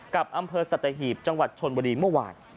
กับอำเภอสัตหีบจังหวัดชนบุรีเมื่อวาน